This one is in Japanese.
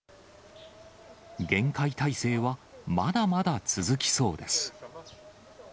厳戒態勢はまだまだ続きそうです。